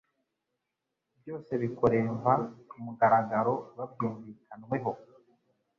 Byose bikoremva ku mugaragaro babyumvikanweho.